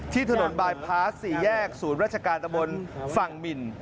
ที่ถนนบายพาส๔แยกศูนย์ราชการตะบนฝั่งหมิน